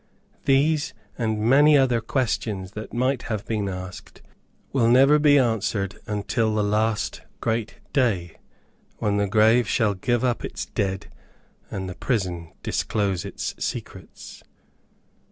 These, and many other questions that might have been asked, will never be answered until the last great day, when the grave shall give up its dead, and, the prison disclose its secrets.